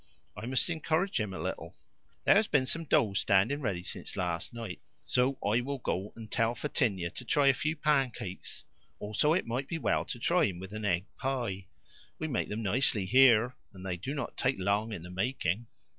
"I must encourage him a little. There has been some dough standing ready since last night, so I will go and tell Fetinia to try a few pancakes. Also, it might be well to try him with an egg pie. We make then nicely here, and they do not take long in the making."